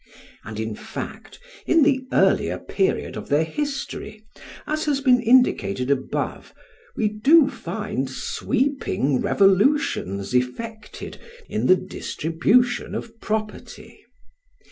And, in fact, in the earlier period of their history, as has been indicated above, we do find sweeping revolutions effected in the distribution of property.